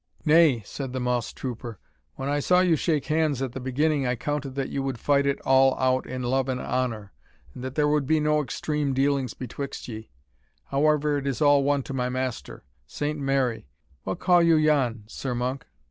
"Nay," said the moss trooper, "when I saw you shake hands at the beginning I counted that you would fight it all out in love and honour, and that there would be no extreme dealings betwixt ye however it is all one to my master Saint Mary! what call you yon, Sir Monk?"